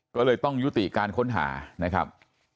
ก็เลยต้องยุติการค้นหานะครับ